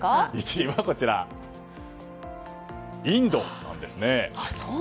１位は、インドなんですね。